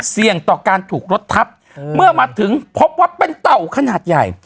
เสี่ยงต่อการถูกรถทับเมื่อมาถึงพบว่าเป็นเต่าขนาดใหญ่